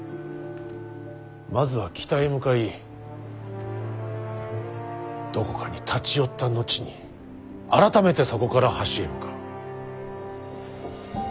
まずは北へ向かいどこかに立ち寄った後に改めてそこから橋へ向かう。